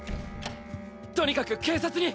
とにかく警察に。